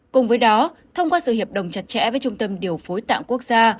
cùng với đó thông qua sự hiệp đồng chặt chẽ với trung tâm điều phối tạng quốc gia